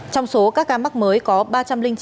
trong số các ca mắc mới có ba trăm linh chín ca